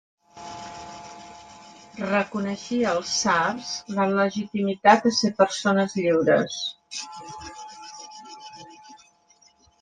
Reconeixia als sards la legitimitat a ser persones lliures.